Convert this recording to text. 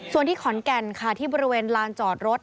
ส่วนคอนแก่นก็คือที่บริเวณลานจอดรถ